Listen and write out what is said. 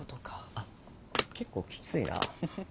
あっ結構きついな。